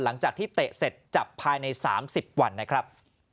หลังจากที่เตะเสร็จจับภายใน๓๐วันนะครับ